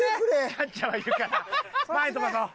キャッチャーはいるから前に飛ばそう。